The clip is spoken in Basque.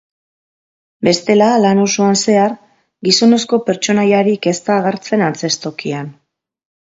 Bestela, lan osoan zehar gizonezko pertsonaiarik ez da agertzen antzeztokian.